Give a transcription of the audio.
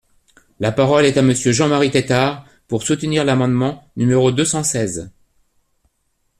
La parole est à Monsieur Jean-Marie Tétart, pour soutenir l’amendement numéro deux cent seize.